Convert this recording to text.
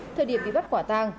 thời điểm bị bắt quả tàng